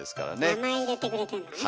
名前入れてくれてんのね。